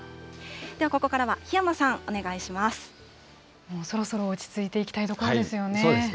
ではここからは檜山さん、お願いそろそろ落ち着いていきたいそうですね。